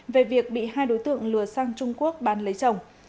về việc bị hai đối tượng lừa sang trung quốc bán lấy chồng